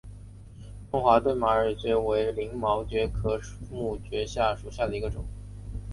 中华对马耳蕨为鳞毛蕨科耳蕨属下的一个种。